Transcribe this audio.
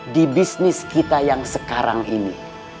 di bisnis kita yang sekarang ini